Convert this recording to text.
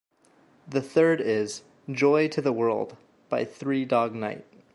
The third is "Joy To The World" by Three Dog Night.